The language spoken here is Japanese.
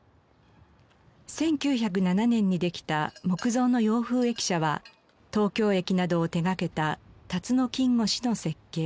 １９０７年にできた木造の洋風駅舎は東京駅などを手掛けた辰野金吾氏の設計。